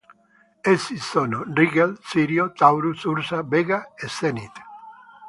Essi sono: Rigel, Sirio, Taurus, Ursa, Vega e Zenit.